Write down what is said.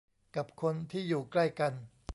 กับคนที่อยู่ใกล้กัน